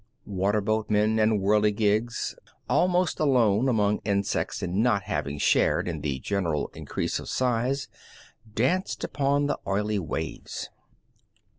Water boatmen and whirligigs almost alone among insects in not having shared in the general increase of size danced upon the oily waves.